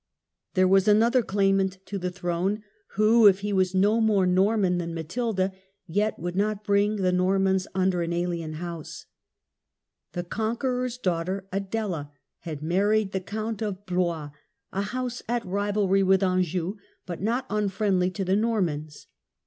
There was another claimant to the throne, who, if he was no more Norman than Matilda, yet would not bring the Normans under an alien house. The Stephen of conqueror's daughter Adela had married the ®*o" Count of Blois, a house at rivalry with Anjou but not unfriendly to the Normans.